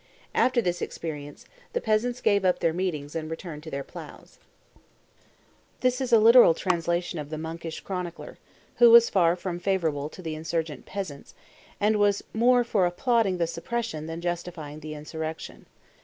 After this experience, the peasants gave up their meetings and returned to their ploughs." [Illustration: Knights returning from Foray 311] This is a literal translation of the monkish chronicler, who was far from favorable to the insurgent peasants, and was more for applauding the suppression than justifying the insurrection.